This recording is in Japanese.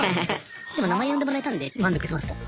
でも名前呼んでもらえたんで満足しました。